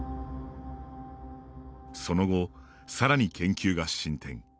その後さらに研究が進展。